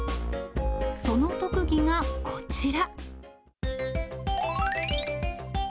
その特技がこちら。